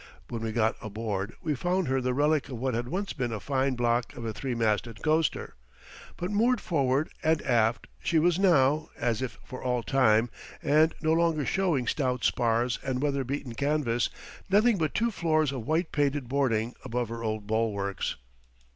When we got aboard, we found her the relic of what had once been a fine block of a three masted coaster; but moored forward and aft she was now, as if for all time, and no longer showing stout spars and weather beaten canvas nothing but two floors of white painted boarding above her old bulwarks.